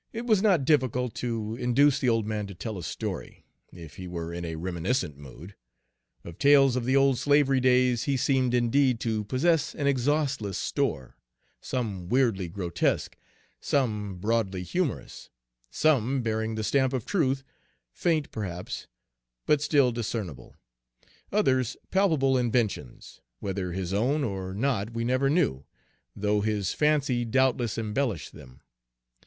It was not difficult to induce the old man to tell a story, if he were in a reminiscent mood. Of tales of the old slavery days he seemed indeed to possess an exhaustless store, some weirdly Page 168 grotesque, some broadly humorous; some bearing the stamp of truth, faint, perhaps, but still discernible; others palpable inventions, whether his own or not we never knew, though his fancy doubtless embellished them.